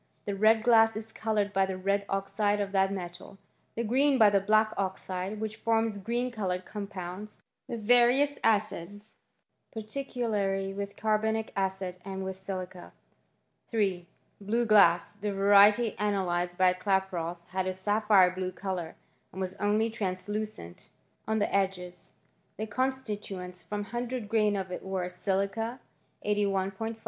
The red glass is coloured by the red oxide of that metal ; the green by the black oxide, which forms green coloured compounds, with various acids, particularly with carbonic acid and with silica. 3. Blue glass. The variety analyzed by Klaproth had a sapphire blue colour^ and was only translucent •• Beitrage, vi. 140. f Ibid., p. 142. i6 filSTOllY OP CHEMISTRY. on the edges.